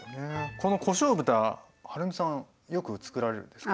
このこしょう豚はるみさんよくつくられるんですか？